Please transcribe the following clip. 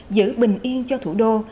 giữ bình yên cho thủ đô